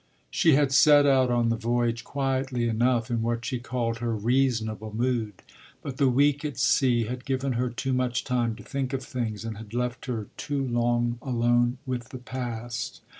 She had set out on the voyage quietly enough, in what she called her “reasonable” mood, but the week at sea had given her too much time to think of things and had left her too long alone with the past.